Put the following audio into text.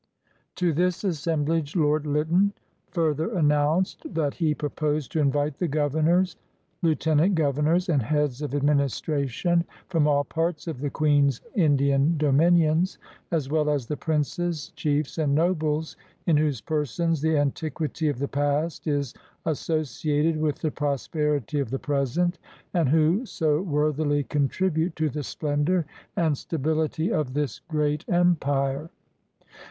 To this assemblage Lord Lytton further announced that he proposed "to invite the governors, lieutenant gover nors, and heads of administration from all parts of the Queen's Indian dominions, as well as the princes, chiefs, and nobles in whose persons the antiquity of the past is associated with the prosperity of the present, and who so worthily contribute to the splendor and stability of this great empire."